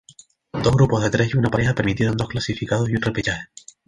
Dos grupos de tres y una pareja permitieron dos clasificados y un repechaje.